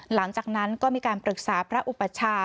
หลังจากนั้นก็มีการปรึกษาพระอุปชา